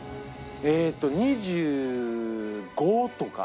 えっと２５とか僕が。